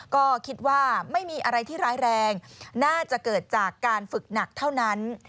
ก็คิดว่าไม่มีอะไรที่ร้ายแรงน่าจะเกิดจากการฝึกหนักเท่านั้น